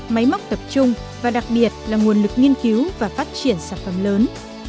máy móc tập trung và đặc biệt là nguồn lực nghiên cứu và phát triển sản phẩm lớn